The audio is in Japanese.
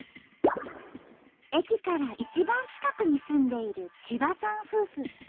駅から一番近くに住んでいる千葉さん夫婦。